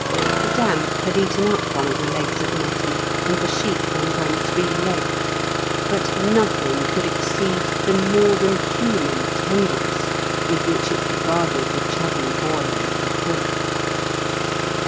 The damp had eaten up one of the legs of mutton, and the sheep went on three legs. But nothing could exceed the more than human tenderness with which it regarded the chubby boy with the crook.